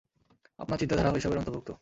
আপনার চিন্তাধারাও এসবের অন্তর্ভুক্ত।